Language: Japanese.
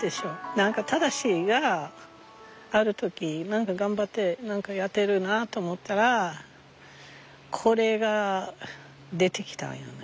何か正がある時頑張って何かやってるなと思ったらこれが出てきたんよな。